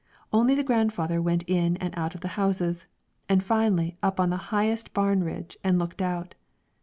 Only the grandfather went in and out of the houses, and finally up on the highest barn bridge and looked out.